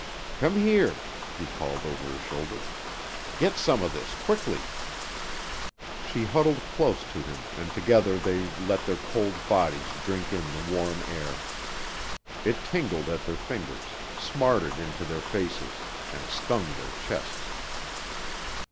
"Come here," he called over his shoulder. "Get some of this quickly." She huddled close to him and together they let their cold bodies drink in the warm air. It tingled at their fingers, smarted into their faces, and stung their chests.